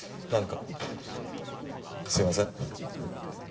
なんかすいません。